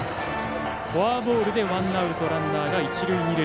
フォアボールでワンアウトランナー、一塁二塁。